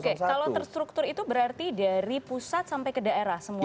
oke kalau terstruktur itu berarti dari pusat sampai ke daerah semuanya